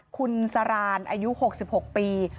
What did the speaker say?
คุณสารานอายุ๖๖ปี